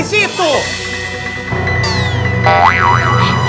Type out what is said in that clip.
itu lukman tuh